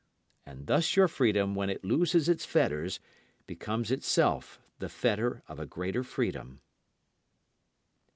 And thus your freedom when it loses its fetters becomes itself the fetter of a greater freedom.